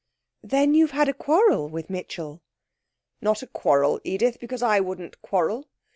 'Then you've had a quarrel with Mitchell?' 'Not a quarrel, Edith, because I wouldn't quarrel.